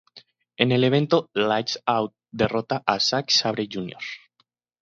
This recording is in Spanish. En el evento "Lights Out derrota a Zack Sabre Jr.